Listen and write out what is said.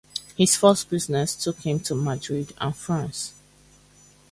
His first business took him to Madrid and France.